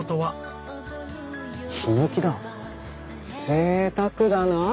ぜいたくだなあ。